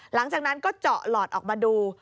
หลังจากนั้นก็เจาะหลอดออกมาดู